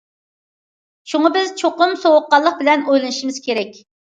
شۇڭا بىز چوقۇم سوغۇققانلىق بىلەن ئويلىنىشىمىز كېرەك.